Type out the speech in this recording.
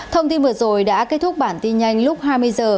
thông tin vừa rồi đã kết thúc bản tin nhanh lúc hai mươi h